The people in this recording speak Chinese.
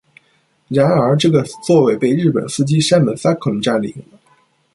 然而，这个座位被日本司机山本 Sakon 占据了。